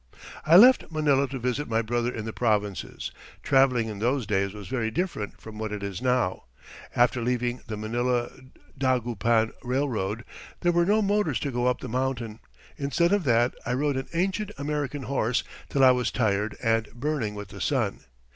"I left Manila to visit my brother in the provinces. Traveling in those days was very different from what it is now. After leaving the Manila Dagupan Railroad there were no motors to go up the mountain; instead of that, I rode an ancient American horse till I was tired and burning with the sun.